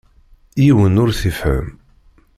Yiwen ur t-ifehhem.